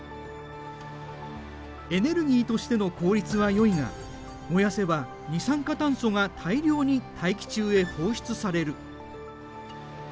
エネルギーとしての効率はよいが燃やせば二酸化炭素が大量に大気中へ放出される。